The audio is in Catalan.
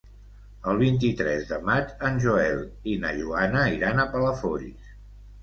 El vint-i-tres de maig en Joel i na Joana iran a Palafolls.